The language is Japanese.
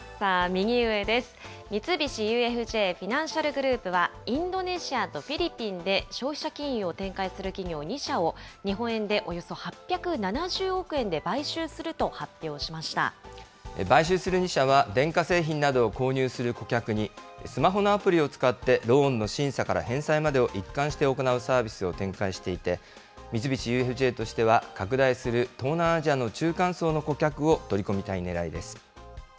三菱ＵＦＪフィナンシャル・グループは、インドネシアとフィリピンで消費者金融を展開する企業２社を、日本円でおよそ８７０億円買収する２社は電化製品などを購入する顧客に、スマホのアプリを使ってローンの審査から返済までを一貫して行うサービスを展開していて、三菱ＵＦＪとしては拡大する東南アジアの中間層の顧客を取り込みたいねらいです。